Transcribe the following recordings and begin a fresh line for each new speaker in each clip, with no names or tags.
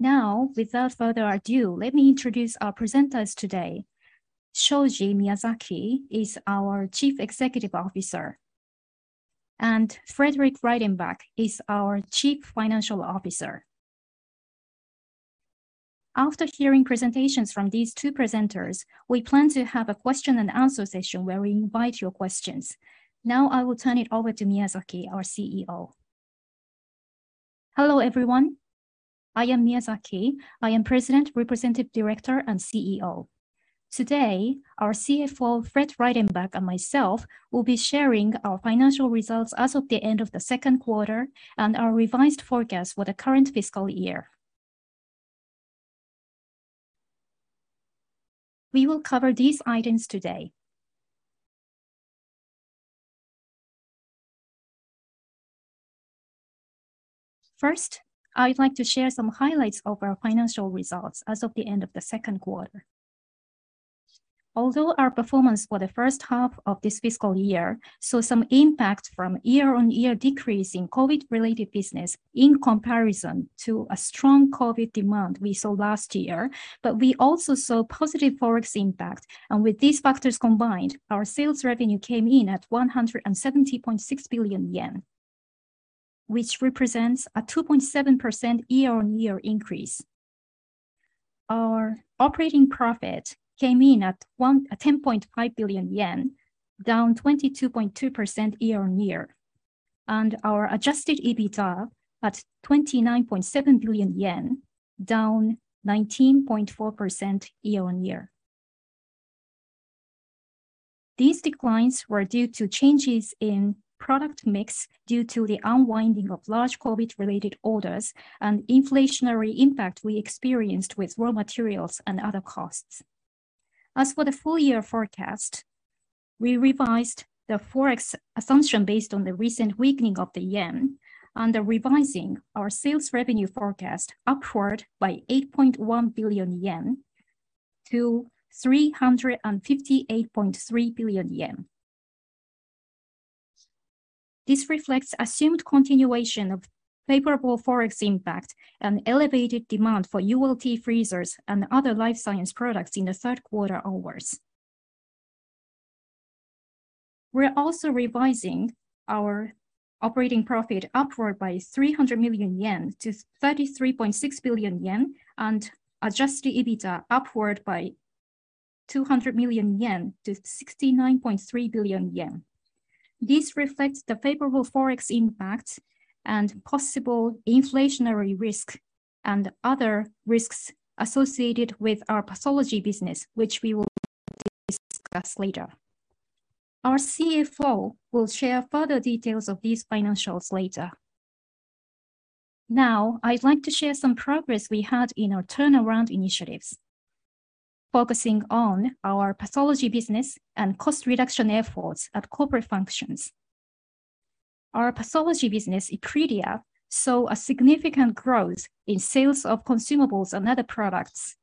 Now, without further ado, let me introduce our presenters today. Shoji Miyazaki is our Chief Executive Officer, and Frederick Reidenbach is our Chief Financial Officer. After hearing presentations from these two presenters, we plan to have a question and answer session where we invite your questions. Now I will turn it over to Miyazaki, our CEO.
Hello, everyone. I am Miyazaki. I am President, Representative Director, and CEO. Today, our CFO, Fred Reidenbach, and myself will be sharing our financial results as of the end of the second quarter and our revised forecast for the current fiscal year. We will cover these items today. First, I'd like to share some highlights of our financial results as of the end of the second quarter. Although our performance for the first half of this fiscal year saw some impact from year-on-year decrease in COVID-related business in comparison to a strong COVID demand we saw last year, but we also saw positive forex. With these factors combined, our sales revenue came in at 170.6 billion yen, which represents a 2.7% year-on-year increase. Our operating profit came in at 10.5 billion yen, down 22.2% year-on-year, and our adjusted EBITDA at 29.7 billion yen, down 19.4% year-on-year. These declines were due to changes in product mix due to the unwinding of large COVID-related orders and inflationary impact we experienced with raw materials and other costs. As for the full-year forecast, we revised the forex assumption based on the recent weakening of the yen and revising our sales revenue forecast upward by 8.1 billion yen to 358.3 billion yen. This reflects assumed continuation of favorable forex impact and elevated demand for ULT freezers and other life science products in the third quarter onward. We're also revising our operating profit upward by 300 million yen to 33.6 billion yen and adjusted EBITDA upward by 200 million yen to 69.3 billion yen. This reflects the favorable forex impact and possible inflationary risk and other risks associated with our pathology business, which we will discuss later. Our CFO will share further details of these financials later. Now, I'd like to share some progress we had in our turnaround initiatives, focusing on our pathology business and cost reduction efforts at corporate functions. Our pathology business, Epredia, saw a significant growth in sales of consumables and other products.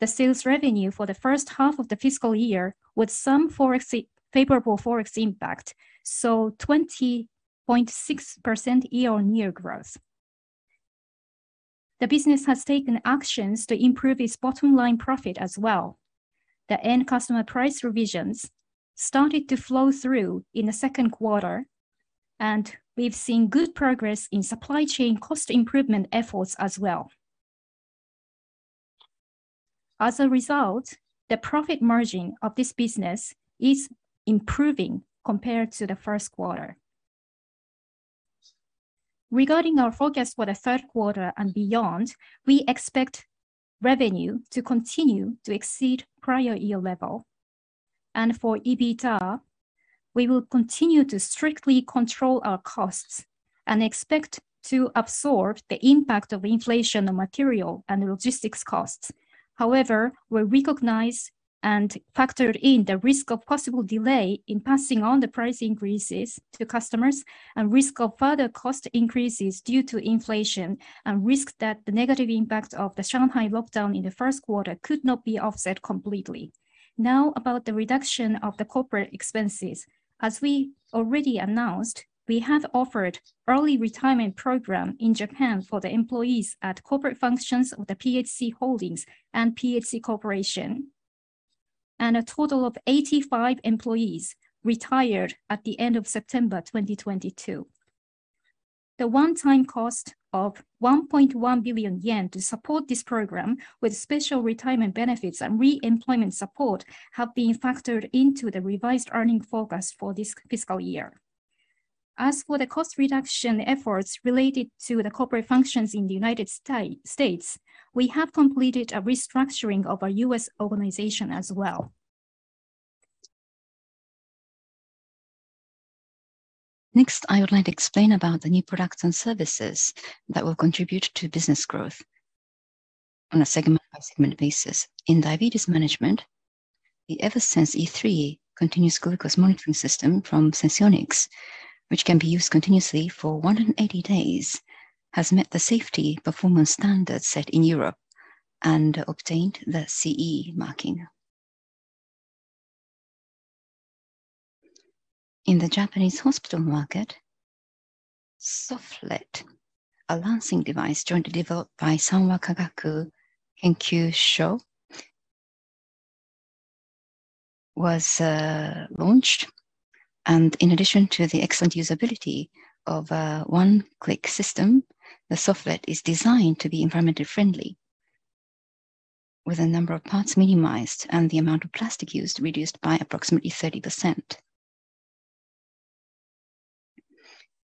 The sales revenue for the first half of the fiscal year with some favorable forex impact, saw 20.6% year-on-year growth. The business has taken actions to improve its bottom line profit as well. The end customer price revisions started to flow through in the second quarter, and we've seen good progress in supply chain cost improvement efforts as well. As a result, the profit margin of this business is improving compared to the first quarter. Regarding our forecast for the third quarter and beyond, we expect revenue to continue to exceed prior year level. For EBITDA, we will continue to strictly control our costs and expect to absorb the impact of inflation on material and logistics costs. However, we recognize and factor in the risk of possible delay in passing on the price increases to customers and risk of further cost increases due to inflation and risk that the negative impact of the Shanghai lockdown in the first quarter could not be offset completely. Now, about the reduction of the corporate expenses. As we already announced, we have offered early retirement program in Japan for the employees at corporate functions of the PHC Holdings and PHC Corporation, and a total of 85 employees retired at the end of September 2022. The one-time cost of 1.1 billion yen to support this program with special retirement benefits and re-employment support have been factored into the revised earnings forecast for this fiscal year. As for the cost reduction efforts related to the corporate functions in the United States, we have completed a restructuring of our U.S. organization as well. Next, I would like to explain about the new products and services that will contribute to business growth on a segment-by-segment basis. In diabetes management, the Eversense E3 Continuous Glucose Monitoring System from Senseonics, which can be used continuously for 180 days, has met the safety performance standards set in Europe and obtained the CE marking. In the Japanese hospital market, Soflet, a lancing device jointly developed by Sanwa Kagaku Kenkyusho, was launched. In addition to the excellent usability of one-click system, the Soflet is designed to be environmentally friendly, with a number of parts minimized and the amount of plastic used reduced by approximately 30%.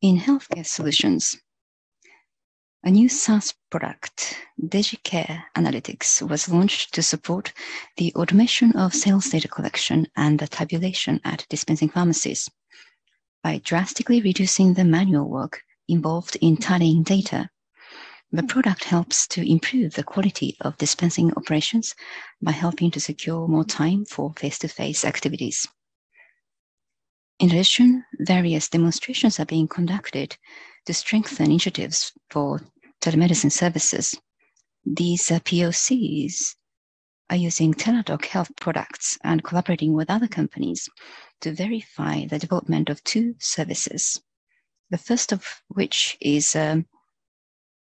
In healthcare solutions, a new SaaS product, DigiCare Analytics, was launched to support the automation of sales data collection and the tabulation at dispensing pharmacies. By drastically reducing the manual work involved in tallying data, the product helps to improve the quality of dispensing operations by helping to secure more time for face-to-face activities. In addition, various demonstrations are being conducted to strengthen initiatives for telemedicine services. These POCs are using Teladoc Health products and collaborating with other companies to verify the development of two services. The first of which is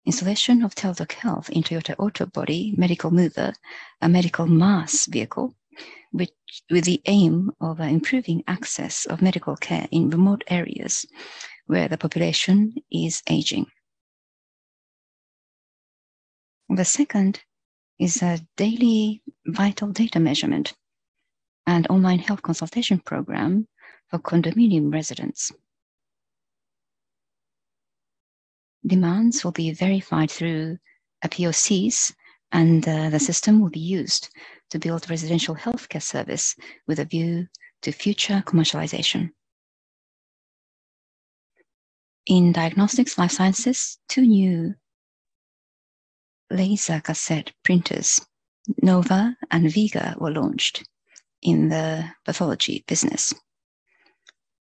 installation of Teladoc Health in Toyota Auto Body Medical Mover, a medical mass vehicle, with the aim of improving access of medical care in remote areas where the population is aging. The second is a daily vital data measurement and online health consultation program for condominium residents. Demands will be verified through POCs, and the system will be used to build residential healthcare service with a view to future commercialization. In diagnostics life sciences, two new laser cassette printers, NOVA and VEGA, were launched in the pathology business.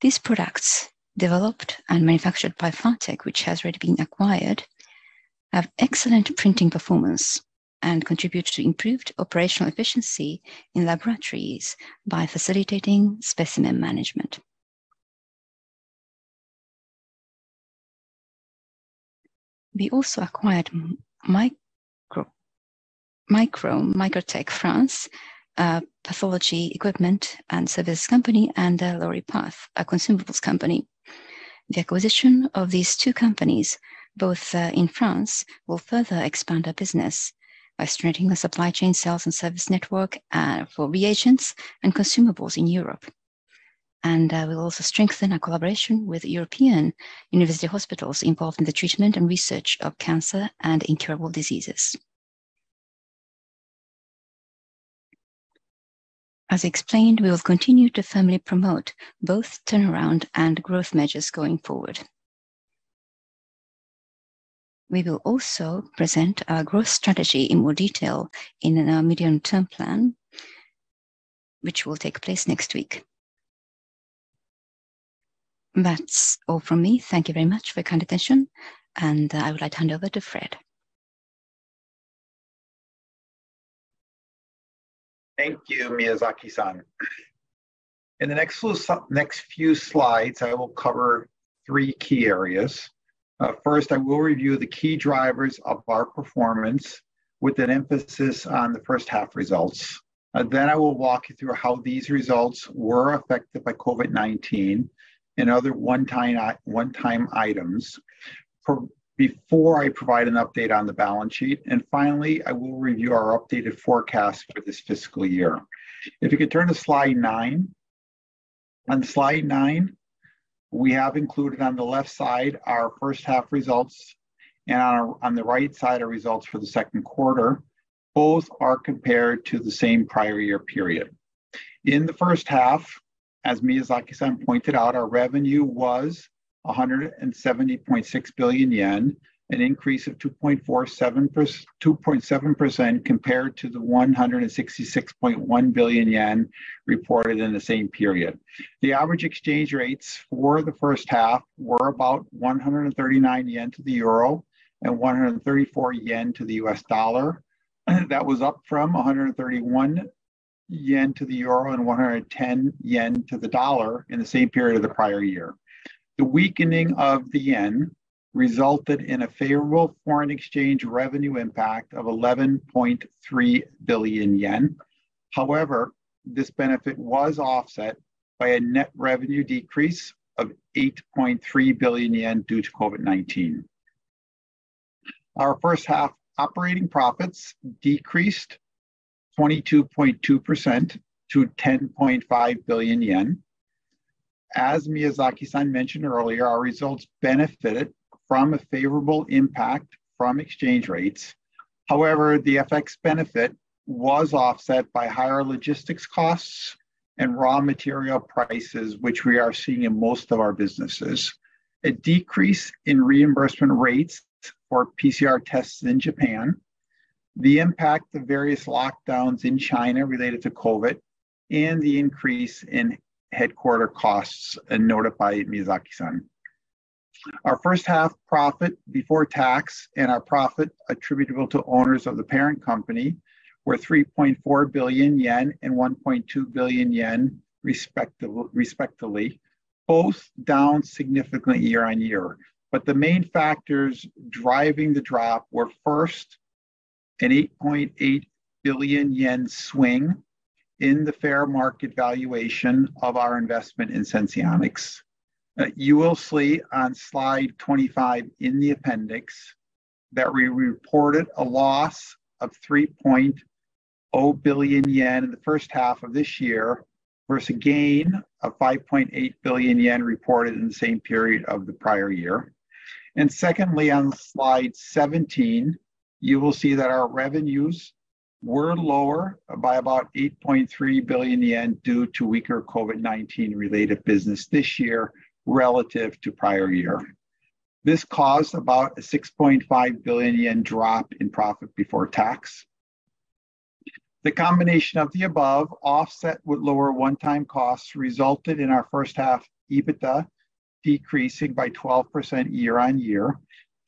These products, developed and manufactured by Fa-Tech, which has already been acquired, have excellent printing performance and contribute to improved operational efficiency in laboratories by facilitating specimen management. We also acquired MICRO-TECH France, a pathology equipment and service company, and Loripath, a consumables company. The acquisition of these two companies, both in France, will further expand our business by strengthening the supply chain sales and service network for reagents and consumables in Europe. We'll also strengthen our collaboration with European university hospitals involved in the treatment and research of cancer and incurable diseases. As explained, we will continue to firmly promote both turnaround and growth measures going forward. We will also present our growth strategy in more detail in our medium-term plan, which will take place next week. That's all from me. Thank you very much for your kind attention, and I would like to hand over to Fred.
Thank you, Miyazaki-san. In the next few slides, I will cover three key areas. First, I will review the key drivers of our performance with an emphasis on the first half results. Then I will walk you through how these results were affected by COVID-19 and other one-time items before I provide an update on the balance sheet. Finally, I will review our updated forecast for this fiscal year. If you could turn to slide nine. On slide nine, we have included on the left side our first half results and on the right side, our results for the second quarter. Both are compared to the same prior year period. In the first half, as Miyazaki-san pointed out, our revenue was 170.6 billion yen, an increase of 2.47%. 2.7% compared to the 166.1 billion yen reported in the same period. The average exchange rates for the first half were about 139 yen to the euro and 134 yen to the U.S. dollar. That was up from 131 yen to the euro and 110 yen to the dollar in the same period of the prior year. The weakening of the yen resulted in a favorable foreign exchange revenue impact of 11.3 billion yen. However, this benefit was offset by a net revenue decrease of 8.3 billion yen due to COVID-19. Our first half operating profits decreased 22.2% to 10.5 billion yen. As Miyazaki-san mentioned earlier, our results benefited from a favorable impact from exchange rates. However, the FX benefit was offset by higher logistics costs and raw material prices, which we are seeing in most of our businesses, a decrease in reimbursement rates for PCR tests in Japan, the impact of various lockdowns in China related to COVID, and the increase in headquarters costs noted by Miyazaki-san. Our first half profit before tax and our profit attributable to owners of the parent company were 3.4 billion yen and 1.2 billion yen respectively, both down significantly year-on-year. The main factors driving the drop were first an 8.8 billion yen swing in the fair market valuation of our investment in Senseonics. You will see on slide 25 in the appendix that we reported a loss of 3.0 billion yen in the first half of this year versus a gain of 5.8 billion yen reported in the same period of the prior year. Secondly, on slide 17, you will see that our revenues were lower by about 8.3 billion yen due to weaker COVID-19 related business this year relative to prior year. This caused about a 6.5 billion yen drop in profit before tax. The combination of the above offset with lower one-time costs resulted in our first half EBITDA decreasing by 12% year-on-year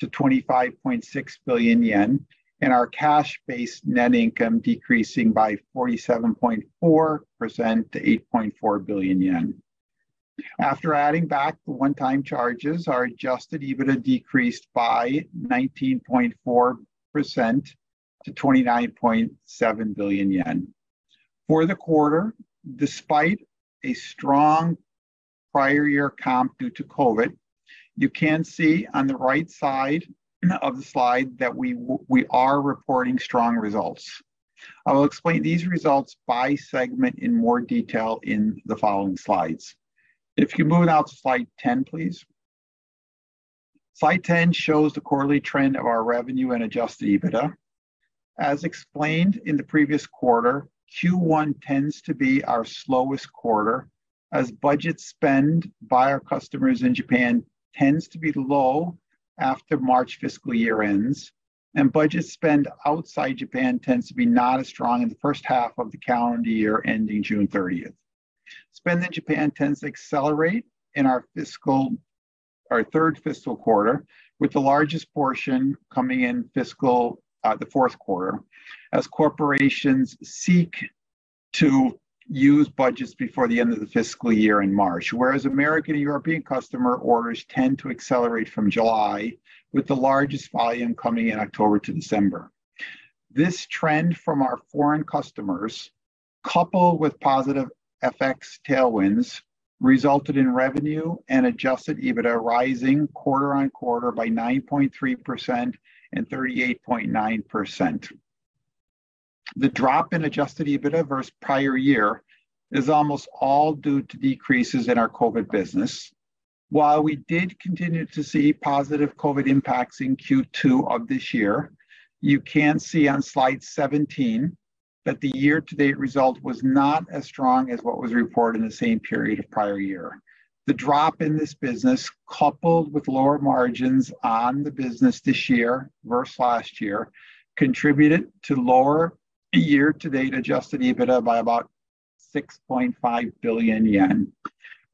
to 25.6 billion yen and our cash-based net income decreasing by 47.4% to 8.4 billion yen. After adding back the one-time charges, our adjusted EBITDA decreased by 19.4% to 29.7 billion yen. For the quarter, despite a strong prior year comp due to COVID, you can see on the right side of the slide that we are reporting strong results. I will explain these results by segment in more detail in the following slides. If you move now to slide 10, please. Slide 10 shows the quarterly trend of our revenue and adjusted EBITDA. As explained in the previous quarter, Q1 tends to be our slowest quarter as budget spend by our customers in Japan tends to be low after March fiscal year ends, and budget spend outside Japan tends to be not as strong in the first half of the calendar year ending June 30th. Spend in Japan tends to accelerate in our fiscal. Our third fiscal quarter, with the largest portion coming in fiscal, the fourth quarter as corporations seek to use budgets before the end of the fiscal year in March. Whereas American and European customer orders tend to accelerate from July, with the largest volume coming in October to December. This trend from our foreign customers, coupled with positive FX tailwinds, resulted in revenue and adjusted EBITDA rising quarter-on-quarter by 9.3% and 38.9%. The drop in adjusted EBITDA versus prior year is almost all due to decreases in our COVID business. While we did continue to see positive COVID impacts in Q2 of this year, you can see on slide 17 that the year-to-date result was not as strong as what was reported in the same period of prior year. The drop in this business, coupled with lower margins on the business this year versus last year, contributed to lower year-to-date adjusted EBITDA by about 6.5 billion yen,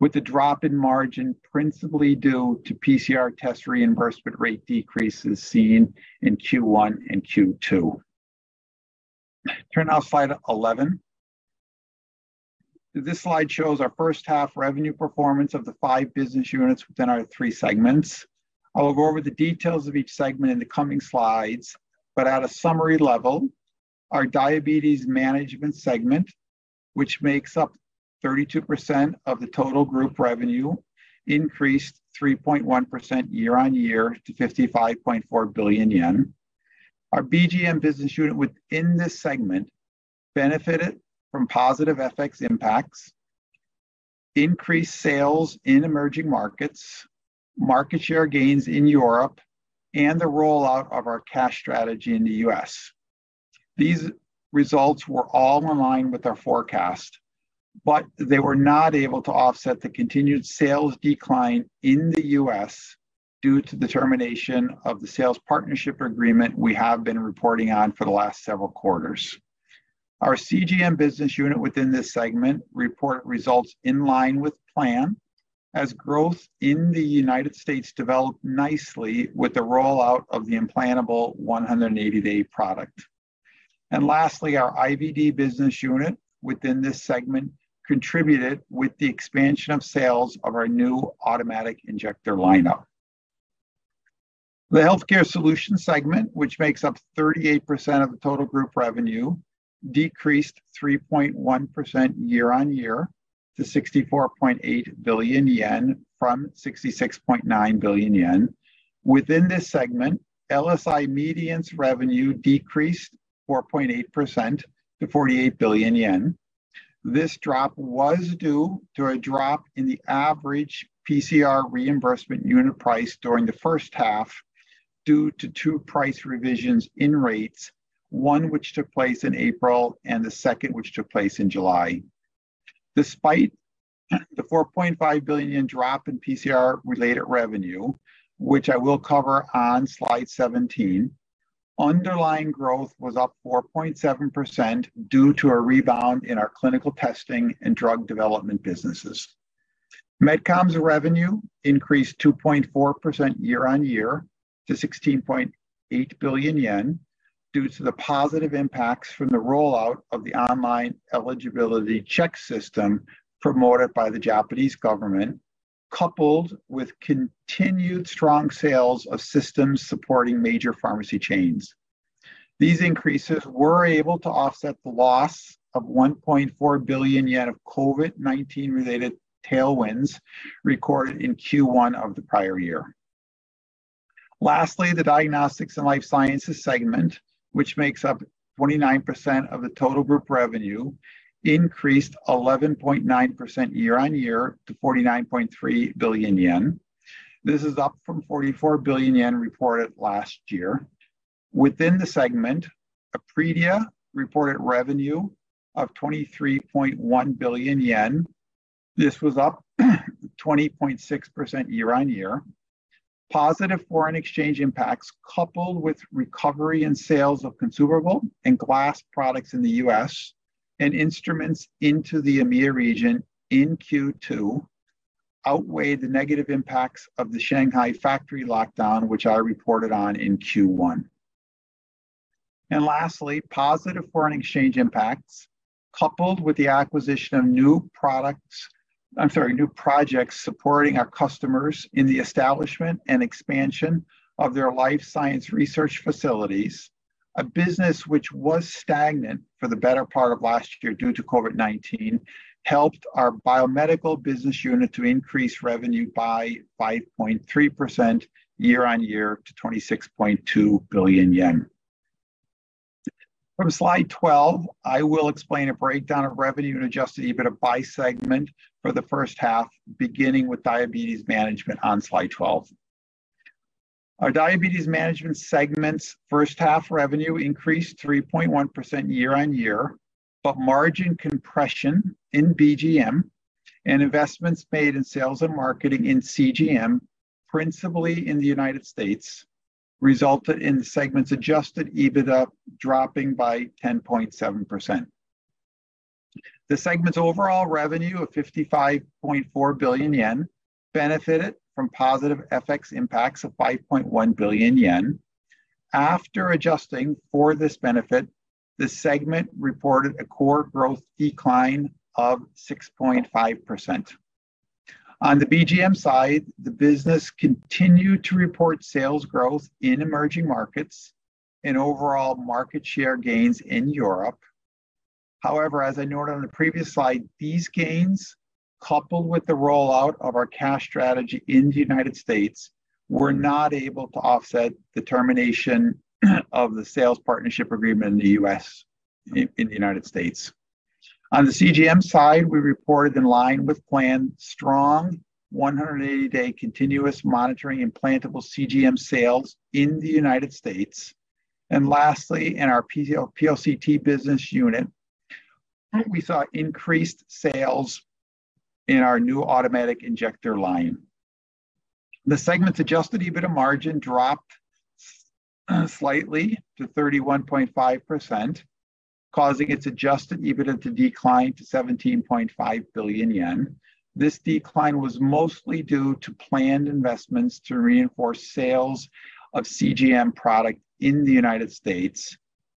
with the drop in margin principally due to PCR test reimbursement rate decreases seen in Q1 and Q2. Turn now to slide 11. This slide shows our first half revenue performance of the five business units within our three segments. I will go over the details of each segment in the coming slides, but at a summary level, our Diabetes Management segment, which makes up 32% of the total group revenue, increased 3.1% year-on-year to 55.4 billion yen. Our BGM business unit within this segment benefited from positive FX impacts, increased sales in emerging markets, market share gains in Europe, and the rollout of our CGM strategy in the U.S. These results were all in line with our forecast, but they were not able to offset the continued sales decline in the U.S. due to the termination of the sales partnership agreement we have been reporting on for the last several quarters. Our CGM business unit within this segment report results in line with plan, as growth in the United States developed nicely with the rollout of the implantable 180-day product. Lastly, our IVD business unit within this segment contributed with the expansion of sales of our new autoinjector lineup. The Healthcare Solution segment, which makes up 38% of the total group revenue, decreased 3.1% year-on-year to 64.8 billion yen from 66.9 billion yen. Within this segment, LSI Medience revenue decreased 4.8% to 48 billion yen. This drop was due to a drop in the average PCR reimbursement unit price during the first half due to two price revisions in rates, one which took place in April and the second which took place in July. Despite the 4.5 billion drop in PCR-related revenue, which I will cover on slide seventeen. Underlying growth was up 4.7% due to a rebound in our clinical testing and drug development businesses. Medicom's revenue increased 2.4% year-on-year to 16.8 billion yen due to the positive impacts from the rollout of the online eligibility check system promoted by the Japanese government, coupled with continued strong sales of systems supporting major pharmacy chains. These increases were able to offset the loss of 1.4 billion yen of COVID-19 related tailwinds recorded in Q1 of the prior year. Lastly, the diagnostics and life sciences segment, which makes up 29% of the total group revenue, increased 11.9% year-on-year to 49.3 billion yen. This is up from 44 billion yen reported last year. Within the segment, Epredia reported revenue of 23.1 billion yen. This was up 20.6% year-on-year. Positive foreign exchange impacts coupled with recovery in sales of consumable and glass products in the U.S. and instruments into the EMEA region in Q2 outweighed the negative impacts of the Shanghai factory lockdown, which I reported on in Q1. Lastly, positive foreign exchange impacts coupled with the acquisition of new products. I'm sorry, new projects supporting our customers in the establishment and expansion of their life science research facilities, a business which was stagnant for the better part of last year due to COVID-19, helped our biomedical business unit to increase revenue by 5.3% year-on-year to 26.2 billion yen. From slide 12, I will explain a breakdown of revenue and adjusted EBITDA by segment for the first half, beginning with diabetes management on slide 12. Our diabetes management segment's first half revenue increased 3.1% year-on-year, but margin compression in BGM and investments made in sales and marketing in CGM, principally in the United States, resulted in the segment's adjusted EBITDA dropping by 10.7%. The segment's overall revenue of 55.4 billion yen benefited from positive FX impacts of 5.1 billion yen. After adjusting for this benefit, the segment reported a core growth decline of 6.5%. On the BGM side, the business continued to report sales growth in emerging markets and overall market share gains in Europe. However, as I noted on the previous slide, these gains, coupled with the rollout of our cash strategy in the United States, were not able to offset the termination of the sales partnership agreement in the United States. On the CGM side, we reported in line with planned strong 180-day continuous monitoring implantable CGM sales in the United States. Lastly, in our PLCT business unit, we saw increased sales in our new automatic injector line. The segment's adjusted EBITDA margin dropped slightly to 31.5%, causing its adjusted EBITDA to decline to 17.5 billion yen. This decline was mostly due to planned investments to reinforce sales of CGM product in the United States,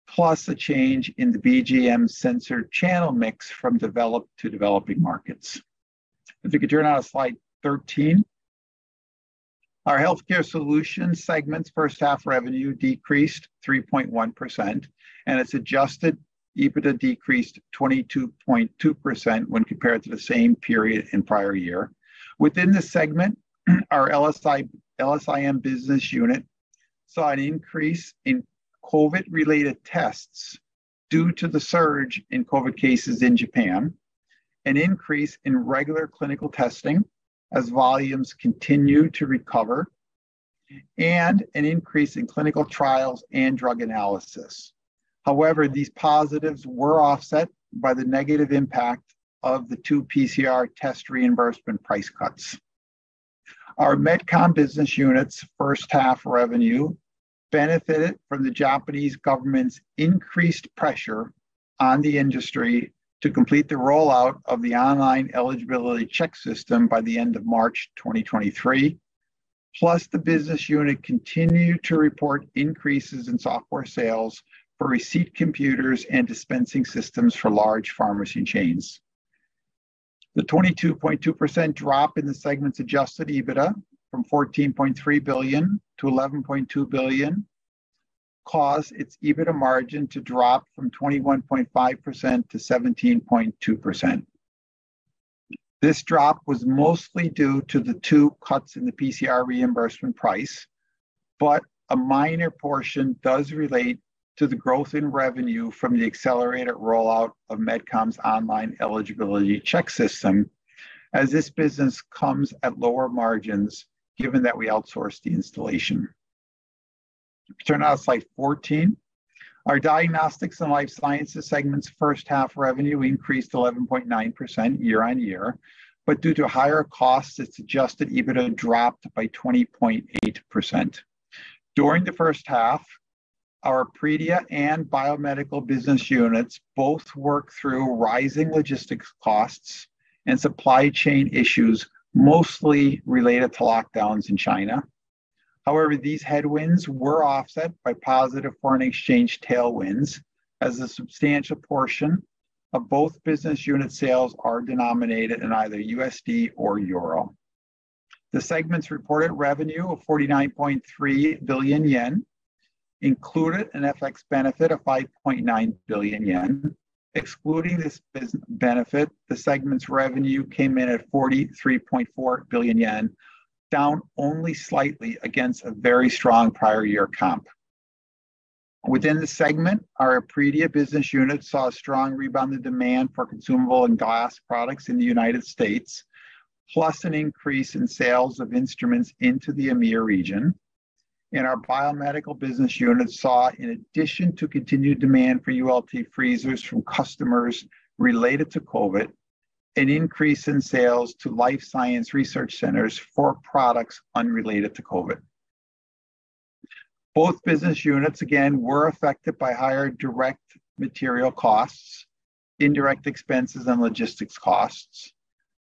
plus a change in the BGM sensor channel mix from developed to developing markets. If you could turn to slide 13. Our healthcare solutions segment's first half revenue decreased 3.1%, and its adjusted EBITDA decreased 22.2% when compared to the same period in prior year. Within the segment, our LSIM business unit saw an increase in COVID-related tests due to the surge in COVID cases in Japan, an increase in regular clinical testing as volumes continue to recover, and an increase in clinical trials and drug analysis. However, these positives were offset by the negative impact of the two PCR test reimbursement price cuts. Our Medicom business unit's first half revenue benefited from the Japanese government's increased pressure on the industry to complete the rollout of the online qualification confirmation system by the end of March 2023. Plus, the business unit continued to report increases in software sales for receipt computers and dispensing systems for large pharmacy chains. The 22.2% drop in the segment's adjusted EBITDA from 14.3 billion to 11.2 billion caused its EBITDA margin to drop from 21.5% to 17.2%. This drop was mostly due to the two cuts in the PCR reimbursement price, but a minor portion does relate to the growth in revenue from the accelerated rollout of Medicom's online qualification confirmation system, as this business comes at lower margins given that we outsource the installation. If you turn to slide 14. Our diagnostics and life sciences segment's first half revenue increased 11.9% year-on-year, but due to higher costs, its adjusted EBITDA dropped by 20.8%. During the first half, our Epredia and biomedical business units both worked through rising logistics costs and supply chain issues, mostly related to lockdowns in China. However, these headwinds were offset by positive foreign exchange tailwinds as a substantial portion of both business unit sales are denominated in either USD or euro. The segment's reported revenue of 49.3 billion yen included an FX benefit of 5.9 billion yen. Excluding this FX benefit, the segment's revenue came in at 43.4 billion yen, down only slightly against a very strong prior year comp. Within the segment, our Epredia business unit saw a strong rebound in demand for consumable and gas products in the United States, plus an increase in sales of instruments into the EMEA region. Our biomedical business unit saw, in addition to continued demand for ULT freezers from customers related to COVID, an increase in sales to life science research centers for products unrelated to COVID. Both business units, again, were affected by higher direct material costs, indirect expenses, and logistics costs.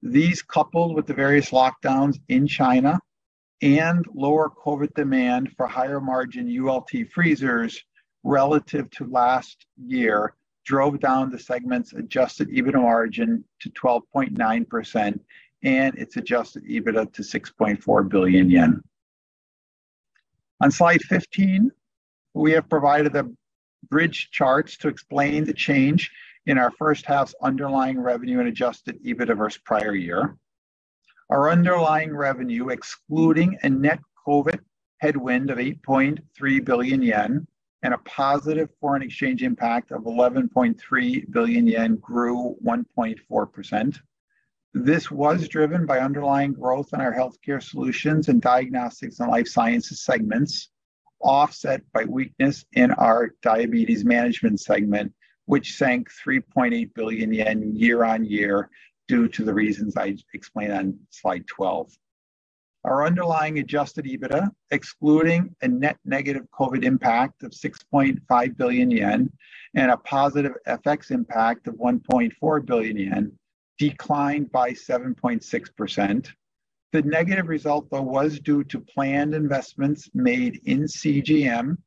These, coupled with the various lockdowns in China and lower COVID demand for higher margin ULT freezers relative to last year, drove down the segment's adjusted EBITDA margin to 12.9% and its adjusted EBITDA to 6.4 billion yen. On slide 15, we have provided the bridge charts to explain the change in our first half's underlying revenue and adjusted EBITDA versus prior year. Our underlying revenue, excluding a net COVID headwind of 8.3 billion yen and a positive foreign exchange impact of 11.3 billion yen, grew 1.4%. This was driven by underlying growth in our healthcare solutions and diagnostics and life sciences segments, offset by weakness in our diabetes management segment, which sank 3.8 billion yen year-on-year due to the reasons I explained on slide 12. Our underlying adjusted EBITDA, excluding a net negative COVID impact of 6.5 billion yen and a positive FX impact of 1.4 billion yen, declined by 7.6%. The negative result, though, was due to planned investments made in CGM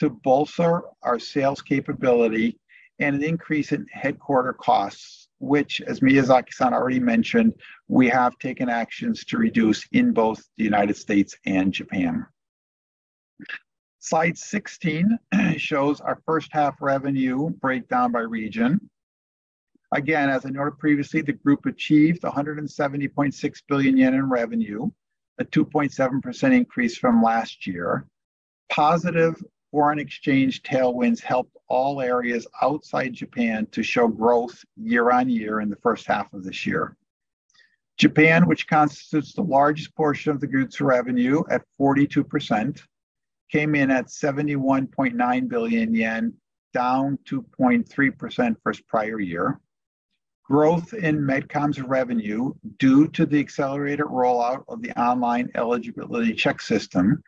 to bolster our sales capability and an increase in headquarters costs, which as Miyazaki-san already mentioned, we have taken actions to reduce in both the United States and Japan. Slide 16 shows our first half revenue breakdown by region. Again, as I noted previously, the group achieved 170.6 billion yen in revenue, a 2.7% increase from last year. Positive foreign exchange tailwinds helped all areas outside Japan to show growth year-on-year in the first half of this year. Japan, which constitutes the largest portion of the group's revenue at 42%, came in at 71.9 billion yen, down 2.3% versus prior year. Growth in Medicom's revenue due to the accelerated rollout of the online qualification confirmation system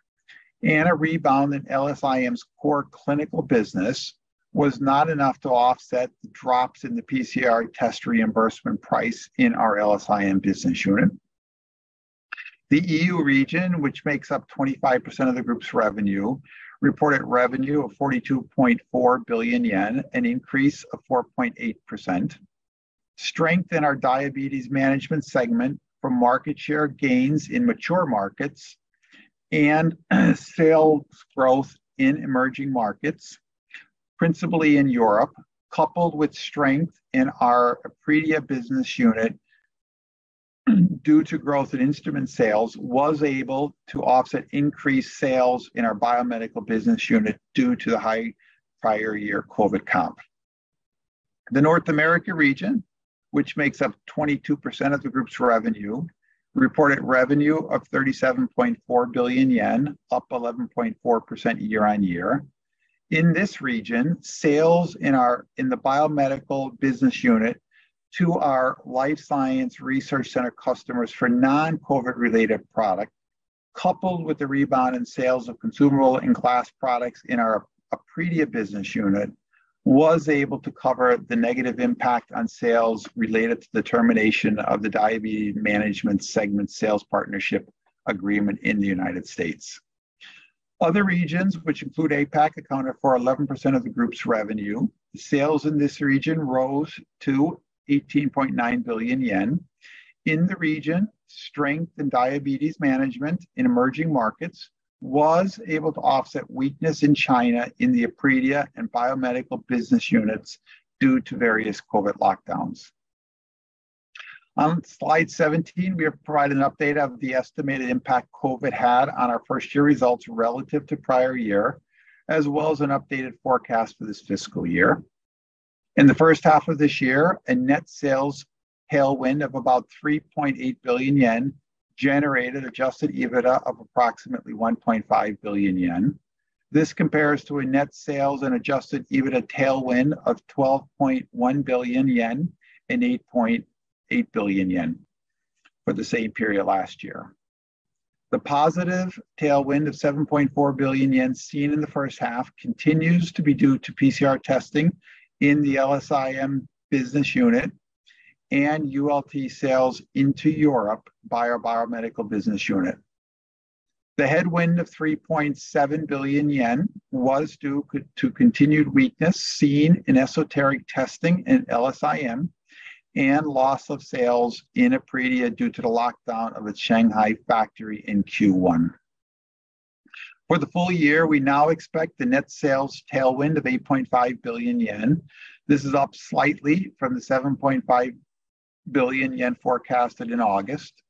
and a rebound in LSIM's core clinical business was not enough to offset the drops in the PCR test reimbursement price in our LSIM business unit. The EU region, which makes up 25% of the group's revenue, reported revenue of 42.4 billion yen, an increase of 4.8%. Strength in our diabetes management segment from market share gains in mature markets and sales growth in emerging markets, principally in Europe, coupled with strength in our Epredia business unit due to growth in instrument sales, was able to offset increased sales in our biomedical business unit due to the high prior year COVID comp. The North America region, which makes up 22% of the group's revenue, reported revenue of 37.4 billion yen, up 11.4% year-on-year. In this region, sales in the biomedical business unit to our life science research center customers for non-COVID related product, coupled with the rebound in sales of consumable and glass products in our Epredia business unit, was able to cover the negative impact on sales related to the termination of the diabetes management segment sales partnership agreement in the United States. Other regions, which include APAC, accounted for 11% of the group's revenue. Sales in this region rose to 18.9 billion yen. In the region, strength in diabetes management in emerging markets was able to offset weakness in China in the Epredia and biomedical business units due to various COVID lockdowns. On slide 17, we have provided an update of the estimated impact COVID had on our first year results relative to prior year, as well as an updated forecast for this fiscal year. In the first half of this year, a net sales tailwind of about 3.8 billion yen generated adjusted EBITDA of approximately 1.5 billion yen. This compares to a net sales and adjusted EBITDA tailwind of 12.1 billion yen and 8.8 billion yen for the same period last year. The positive tailwind of 7.4 billion yen seen in the first half continues to be due to PCR testing in the LSIM business unit and ULT sales into Europe by our biomedical business unit. The headwind of 3.7 billion yen was due to continued weakness seen in esoteric testing in LSIM and loss of sales in Epredia due to the lockdown of its Shanghai factory in Q1. For the full year, we now expect the net sales tailwind of 8.5 billion yen. This is up slightly from the 7.5 billion yen forecasted in August.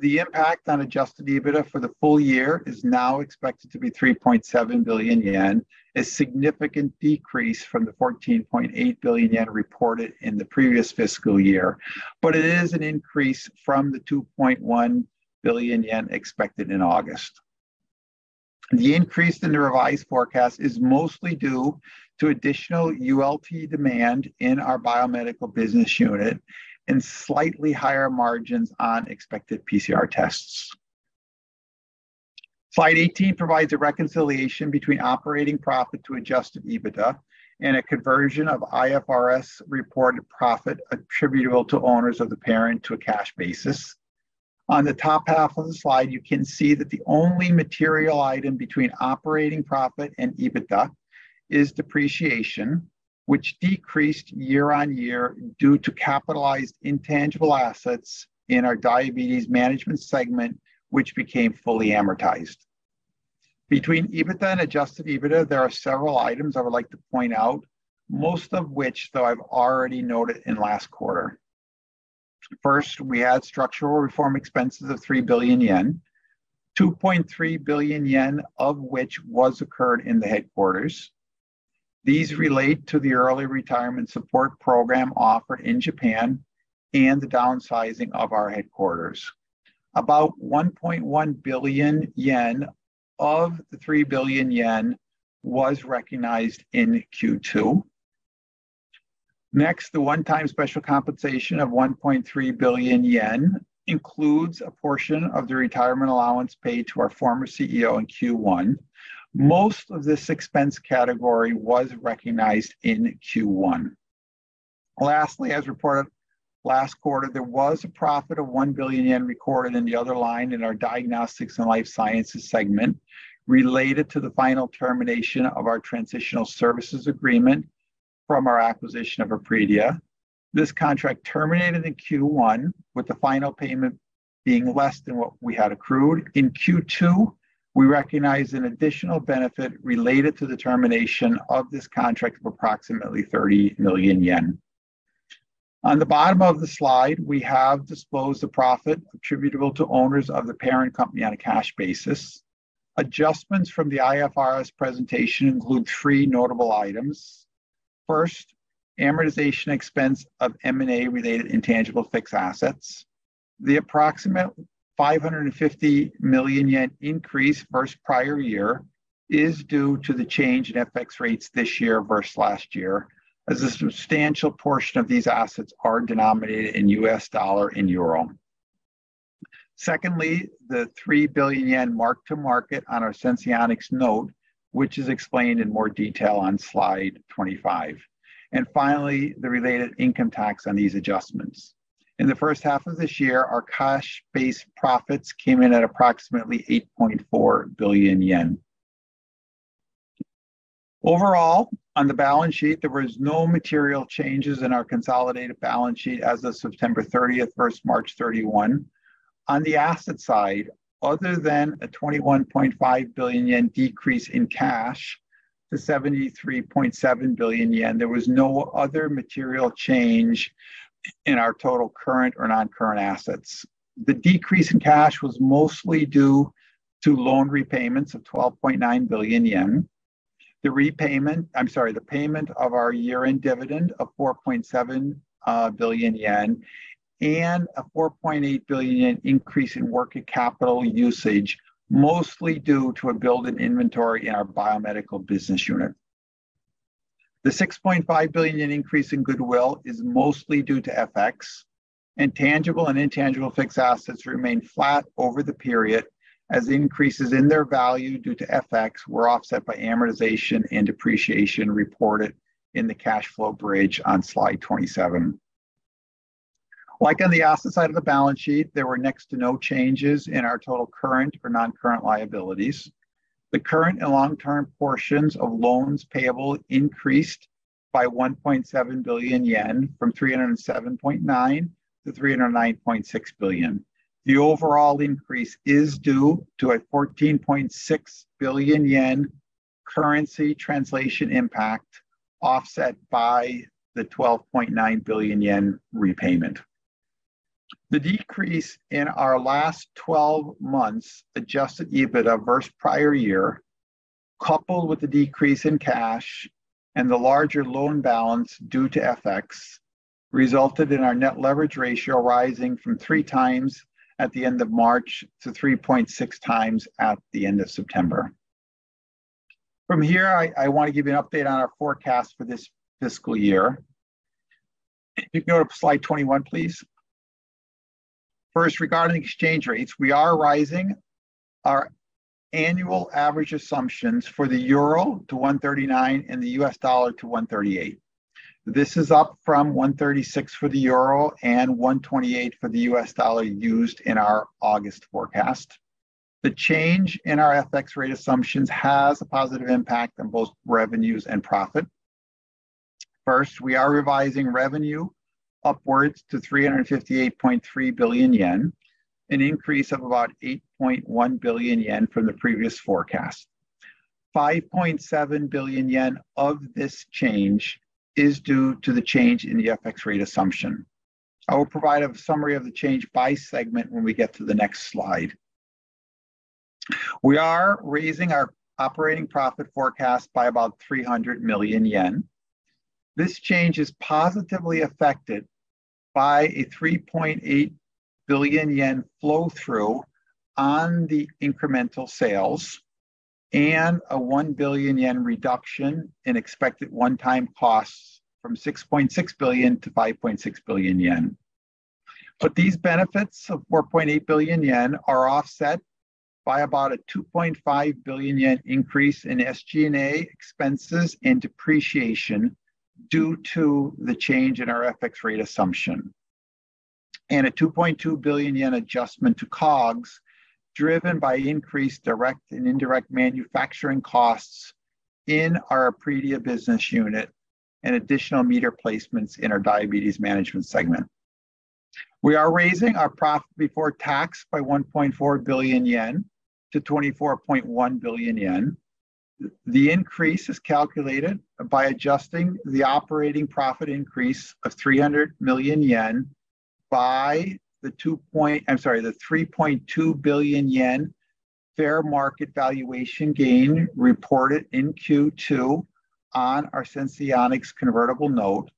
The impact on adjusted EBITDA for the full year is now expected to be 3.7 billion yen, a significant decrease from the 14.8 billion yen reported in the previous fiscal year. It is an increase from the 2.1 billion yen expected in August. The increase in the revised forecast is mostly due to additional ULT demand in our biomedical business unit and slightly higher margins on expected PCR tests. Slide 18 provides a reconciliation between operating profit to adjusted EBITDA and a conversion of IFRS reported profit attributable to owners of the parent to a cash basis. On the top half of the slide, you can see that the only material item between operating profit and EBITDA is depreciation, which decreased year-on-year due to capitalized intangible assets in our diabetes management segment, which became fully amortized. Between EBITDA and adjusted EBITDA, there are several items I would like to point out, most of which, though, I've already noted in last quarter. First, we had structural reform expenses of 3 billion yen, 2.3 billion yen of which was incurred in the headquarters. These relate to the early retirement support program offered in Japan and the downsizing of our headquarters. About 1.1 billion yen of the 3 billion yen was recognized in Q2. Next, the one-time special compensation of 1.3 billion yen includes a portion of the retirement allowance paid to our former CEO in Q1. Most of this expense category was recognized in Q1. Lastly, as reported last quarter, there was a profit of 1 billion yen recorded in the other line in our diagnostics and life sciences segment related to the final termination of our transitional services agreement from our acquisition of Epredia. This contract terminated in Q1, with the final payment being less than what we had accrued. In Q2, we recognized an additional benefit related to the termination of this contract of approximately 30 million yen. On the bottom of the slide, we have disclosed the profit attributable to owners of the parent company on a cash basis. Adjustments from the IFRS presentation include three notable items. First, amortization expense of M&A-related intangible fixed assets. The approximate 550 million yen increase versus prior year is due to the change in FX rates this year versus last year, as a substantial portion of these assets are denominated in U.S. dollar and euro. Secondly, the 3 billion yen mark to market on our Senseonics note, which is explained in more detail on slide 25. Finally, the related income tax on these adjustments. In the first half of this year, our cash basis profits came in at approximately 8.4 billion yen. Overall, on the balance sheet, there was no material changes in our consolidated balance sheet as of September 30th versus March 31. On the asset side, other than a 21.5 billion yen decrease in cash to 73.7 billion yen, there was no other material change in our total current or non-current assets. The decrease in cash was mostly due to loan repayments of 12.9 billion yen. The payment of our year-end dividend of 4.7 billion yen and a 4.8 billion increase in working capital usage, mostly due to a build in inventory in our biomedical business unit. The 6.5 billion increase in goodwill is mostly due to FX, and tangible and intangible fixed assets remained flat over the period as increases in their value due to FX were offset by amortization and depreciation reported in the cash flow bridge on slide 27. Like on the asset side of the balance sheet, there were next to no changes in our total current or non-current liabilities. The current and long-term portions of loans payable increased by 1.7 billion yen from 307.9 billion to 309.6 billion. The overall increase is due to a 14.6 billion yen currency translation impact offset by the 12.9 billion yen repayment. The decrease in our last twelve months adjusted EBITDA versus prior year, coupled with the decrease in cash and the larger loan balance due to FX, resulted in our net leverage ratio rising from 3x at the end of March to 3.6x at the end of September. From here, I want to give you an update on our forecast for this fiscal year. If you go to slide 21, please. First, regarding exchange rates, we are raising our annual average assumptions for the euro to 139 and the U.S. dollar to 138. This is up from 136 for the euro and 128 for the U.S. dollar used in our August forecast. The change in our FX rate assumptions has a positive impact on both revenues and profit. First, we are revising revenue upwards to 358.3 billion yen, an increase of about 8.1 billion yen from the previous forecast. 5.7 billion yen of this change is due to the change in the FX rate assumption. I will provide a summary of the change by segment when we get to the next slide. We are raising our operating profit forecast by about 300 million yen. This change is positively affected by a 3.8 billion yen flow through on the incremental sales and a 1 billion yen reduction in expected one-time costs from 6.6 billion to 5.6 billion yen. These benefits of 4.8 billion yen are offset by about a 2.5 billion yen increase in SG&A expenses and depreciation due to the change in our FX rate assumption, and a 2.2 billion yen adjustment to COGS, driven by increased direct and indirect manufacturing costs in our Epredia business unit and additional meter placements in our diabetes management segment. We are raising our profit before tax by 1.4 billion yen to 24.1 billion yen. The increase is calculated by adjusting the operating profit increase of 300 million yen by the two point. I'm sorry, the 3.2 billion yen fair market valuation gain reported in Q2 on our Senseonics convertible note,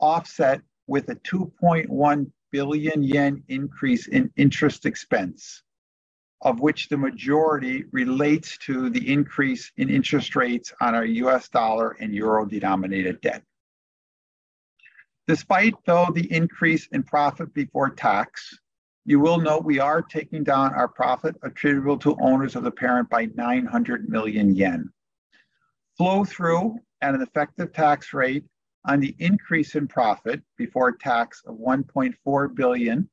offset with a 2.1 billion yen increase in interest expense, of which the majority relates to the increase in interest rates on our U.S. dollar and euro-denominated debt. Despite, though, the increase in profit before tax, you will note we are taking down our profit attributable to owners of the parent by 900 million yen. Flow through at an effective tax rate on the increase in profit before tax of 1.4 billion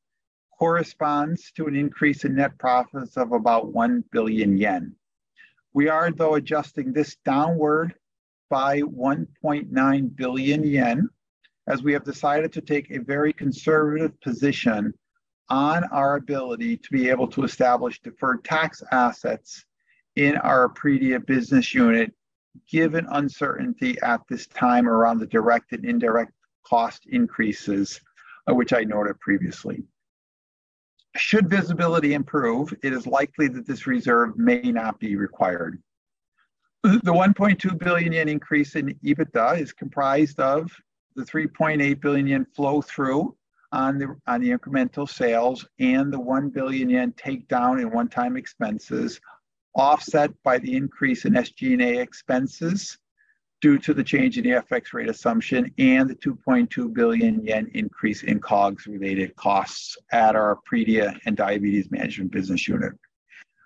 corresponds to an increase in net profits of about 1 billion yen. We are, though, adjusting this downward by 1.9 billion yen, as we have decided to take a very conservative position on our ability to be able to establish deferred tax assets in our Epredia business unit, given uncertainty at this time around the direct and indirect cost increases, which I noted previously. Should visibility improve, it is likely that this reserve may not be required. The 1.2 billion yen increase in EBITDA is comprised of the 3.8 billion yen flow through on the incremental sales, and the 1 billion yen takedown in one-time expenses, offset by the increase in SG&A expenses due to the change in the FX rate assumption and the 2.2 billion yen increase in COGS-related costs at our Epredia and diabetes management business unit.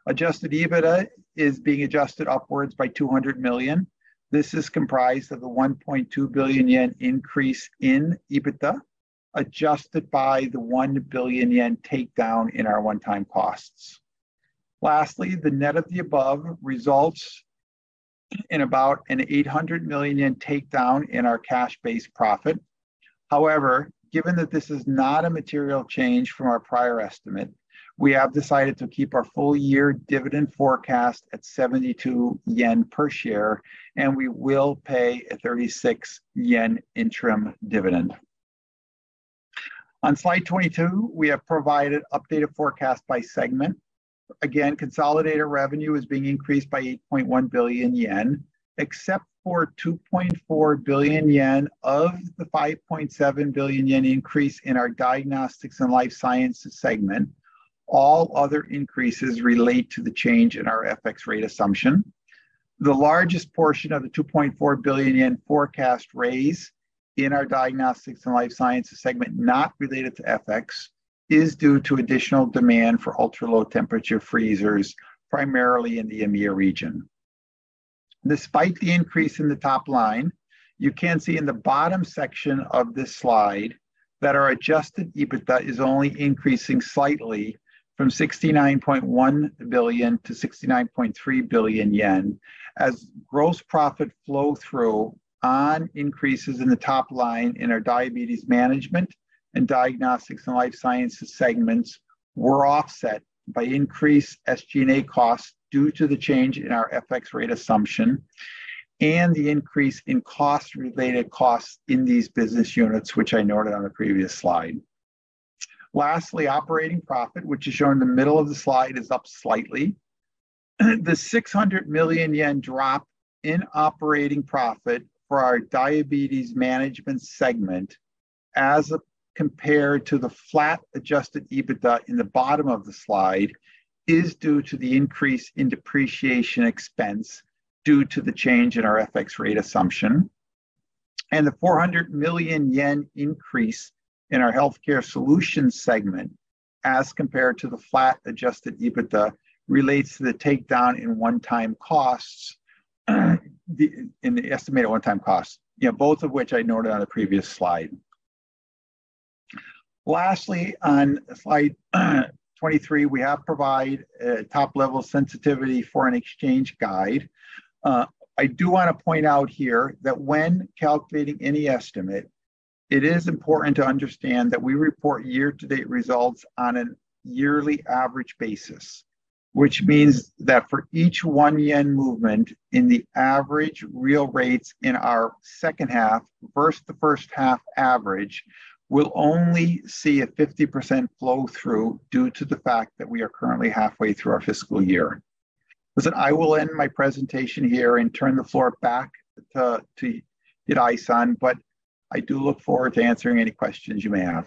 Adjusted EBITDA is being adjusted upwards by 200 million. This is comprised of the 1.2 billion yen increase in EBITDA, adjusted by the 1 billion yen takedown in our one-time costs. Lastly, the net of the above results in about a 800 million yen takedown in our cash-based profit. However, given that this is not a material change from our prior estimate, we have decided to keep our full-year dividend forecast at 72 yen per share, and we will pay a 36 yen interim dividend. On slide 22, we have provided updated forecast by segment. Again, consolidated revenue is being increased by 8.1 billion yen. Except for 2.4 billion yen of the 5.7 billion yen increase in our diagnostics and life sciences segment, all other increases relate to the change in our FX rate assumption. The largest portion of the 2.4 billion yen forecast raise in our diagnostics and life sciences segment not related to FX is due to additional demand for ultra-low temperature freezers, primarily in the EMEA region. Despite the increase in the top line, you can see in the bottom section of this slide that our adjusted EBITDA is only increasing slightly from 69.1 billion-69.3 billion yen as gross profit flow through on increases in the top line in our diabetes management and diagnostics and life sciences segments were offset by increased SG&A costs due to the change in our FX rate assumption and the increase in cost, related costs in these business units, which I noted on the previous slide. Lastly, operating profit, which is shown in the middle of the slide, is up slightly. The 600 million yen drop in operating profit for our diabetes management segment as compared to the flat adjusted EBITDA in the bottom of the slide is due to the increase in depreciation expense due to the change in our FX rate assumption. The 400 million yen increase in our healthcare solutions segment as compared to the flat adjusted EBITDA relates to the takedown in the estimated one-time costs. Yeah, both of which I noted on the previous slide. Lastly, on slide 23, we provide top-level sensitivity for an exchange guide. I do want to point out here that when calculating any estimate, it is important to understand that we report year-to-date results on a yearly average basis. Which means that for each one yen movement in the average real rates in our second half versus the first half average, we'll only see a 50% flow through due to the fact that we are currently halfway through our fiscal year. Listen, I will end my presentation here and turn the floor back to Miyazaki-san. I do look forward to answering any questions you may have.